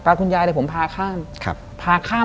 ป้าคุณยายเลยผมพาข้าม